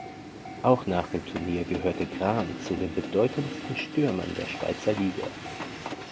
Auch nach dem Turnier gehörte Grahn zu den bedeutendsten Stürmern der Schweizer Liga.